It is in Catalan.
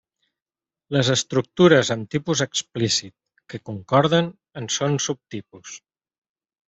Les estructures amb tipus explícit que concorden en són subtipus.